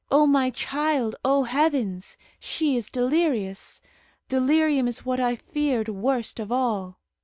"O my child! O heavens! she is delirious. Delirium is what I feared worst of all.